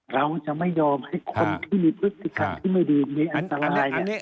เราจะไม่ยอมให้คนที่มีพฤติกรรมที่ไม่ดีมีอันตราย